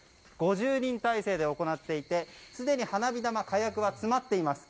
５０人態勢で行っていてすでに花火玉火薬は詰まっています。